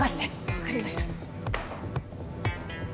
わかりました。